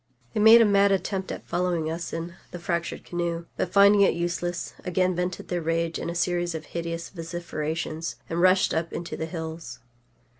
They made a mad attempt at following us in the fractured canoe, but, finding it useless, again vented their rage in a series of hideous vociferations, and rushed up into the hills.